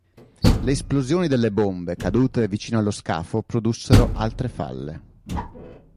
Le esplosioni delle bombe cadute vicino allo scafo produssero altre falle.